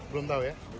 belum tahu ya